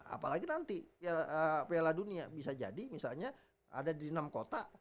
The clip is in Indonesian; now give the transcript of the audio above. apalagi nanti piala dunia bisa jadi misalnya ada di enam kota